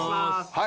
はい。